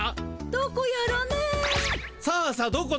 どこやろね？